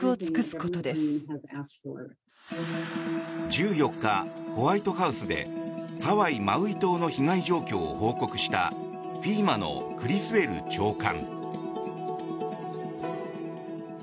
１４日、ホワイトハウスでハワイ・マウイ島の被害状況を報告したＦＥＭＡのクリスウェル長官。